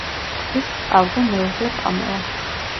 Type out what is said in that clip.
კრისს ჰყავდა მეუღლე პამელა.